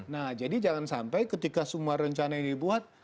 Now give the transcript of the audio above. nah jadi jangan sampai ketika semua rencana ini dibuat